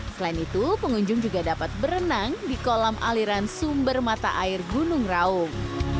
selain itu pengunjung juga dapat berenang di kolam aliran sumber mata air gunung raung